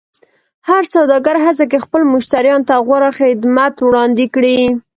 هر سوداګر هڅه کوي خپلو مشتریانو ته غوره خدمت وړاندې کړي.